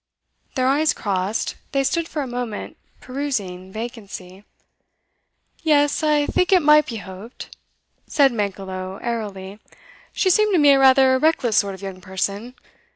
Their eyes crossed; they stood for a moment perusing vacancy. 'Yes, I think it might be hoped,' said Mankelow airily. 'She seemed to me a rather reckless sort of young person.